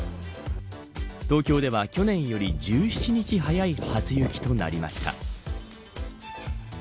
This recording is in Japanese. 東京では去年より１７日早い初雪となりました。